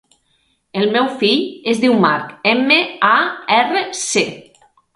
El meu fill es diu Marc: ema, a, erra, ce.